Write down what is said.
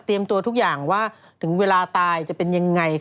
ตัวทุกอย่างว่าถึงเวลาตายจะเป็นยังไง